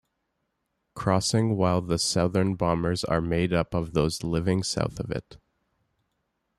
Crossing while the Southern Bombers are made up of those living South of it.